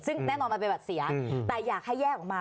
ซึ่งแน่นอนมันเป็นบัตรเสียแต่อยากให้แยกออกมา